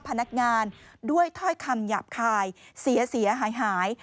พนักงานด้วยถ้อยคำหยาบคายเสียหายหาย